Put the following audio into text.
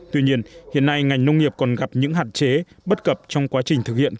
tuy nhiên hiện nay ngành nông nghiệp còn gặp những hạn chế bất cập trong quá trình thực hiện